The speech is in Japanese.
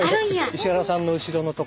石原さんの後ろの所。